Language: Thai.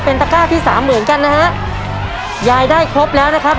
ตะก้าที่สามเหมือนกันนะฮะยายได้ครบแล้วนะครับ